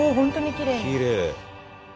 きれい。